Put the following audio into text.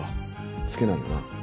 付けないよな。